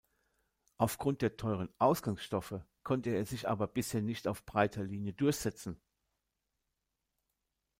Aufgrund der teuren Ausgangsstoffe konnte er sich aber bisher nicht auf breiter Linie durchsetzen.